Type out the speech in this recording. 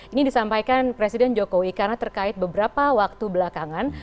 ini disampaikan presiden jokowi karena terkait beberapa waktu belakangan